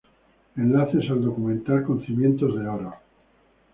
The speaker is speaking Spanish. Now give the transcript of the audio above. Enlaces al Documental Con Cimientos de Oro